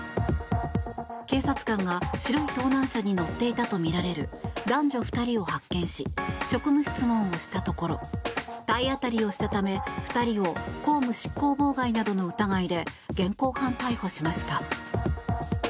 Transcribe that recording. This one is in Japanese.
警察官が、白い盗難車に乗っていたとみられる男女２人を発見し職務質問をしたところ体当たりをしたため、２人を公務執行妨害などの疑いで現行犯逮捕しました。